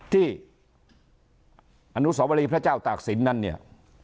ที่อนุสวรีพระเจ้าตากศิลป์นั้นเนี่ย